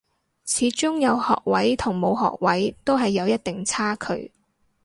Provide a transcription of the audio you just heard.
始終有學位同冇學位都係有一定差距